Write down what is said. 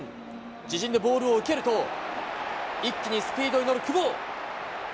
自陣でボールを受けると、一気にスピードに乗る久保。